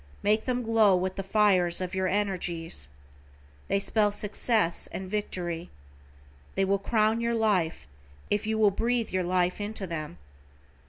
Make them glow with the fires of your energies. They spell success and victory. They will crown your life, if you will breathe your life into them.